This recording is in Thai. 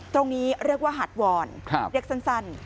ตรงนี้เรียกว่าหาดวอนเรียกสั้น